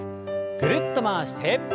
ぐるっと回して。